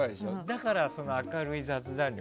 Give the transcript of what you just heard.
だから明るい雑談力。